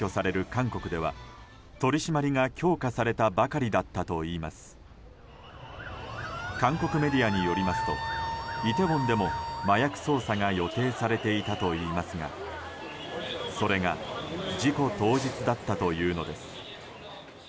韓国メディアによりますとイテウォンでも麻薬捜査が予定されていたといいますがそれが事故当日だったというのです。